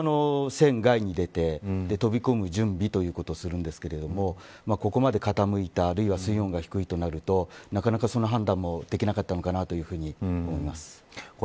通常は船外に出て、飛び込む準備ということをするんですがここまで傾いたあるいは、水温が低いとなるとなかなか、その判断もできなかったのかなと思います。